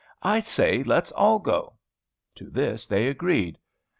"I say, let's all go." To this they agreed.